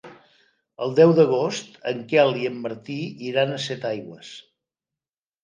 El deu d'agost en Quel i en Martí iran a Setaigües.